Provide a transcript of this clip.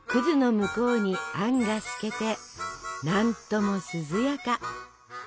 向こうにあんが透けて何とも涼やか。